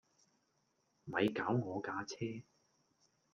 咪搞我架車